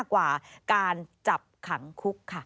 การจับขังคุกค่ะ